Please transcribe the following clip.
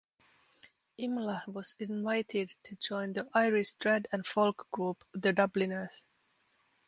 Imlach was invited to join the Irish trad and folk group The Dubliners.